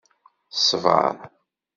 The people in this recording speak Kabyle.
Ṣbeṛ!